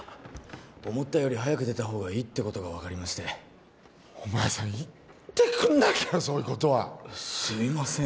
思ったより早く出たほうがいいってことが分かりましてお前さん言ってくんなきゃそういうことはすいません